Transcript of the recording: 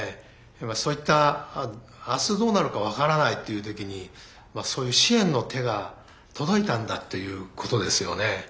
そういった明日どうなるか分からないっていう時にそういう支援の手が届いたんだっていうことですよね。